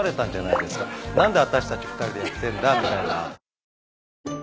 何で私たち２人でやってんだ？みたいな。